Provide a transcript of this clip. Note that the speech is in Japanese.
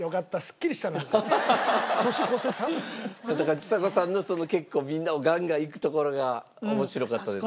ちさ子さんの結構みんなをガンガンいくところが面白かったですか？